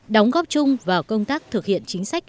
đóng góp chung vào công tác thực hiện chính sách